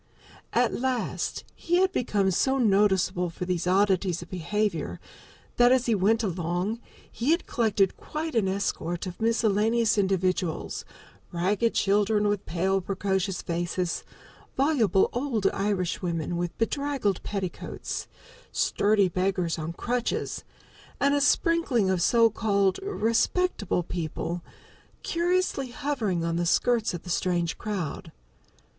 At last he had become so noticeable for these oddities of behavior that, as he went along, he had collected quite an escort of miscellaneous individuals, ragged children with pale, precocious faces, voluble old Irishwomen with bedraggled petticoats, sturdy beggars on crutches, and a sprinkling of so called "respectable" people, curiously hovering on the skirts of the strange crowd.